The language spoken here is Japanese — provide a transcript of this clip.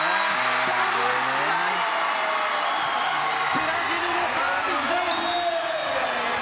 ブラジルのサービスエース。